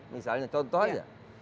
misalnya contoh saja